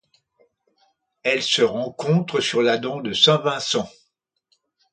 Elle se rencontre sur la Dent de Saint-Vincent.